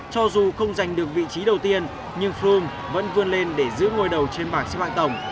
cho dù không giành được vị trí đầu tiên nhưng froome vẫn vươn lên để giữ ngôi đầu trên bảng xe bạc tổng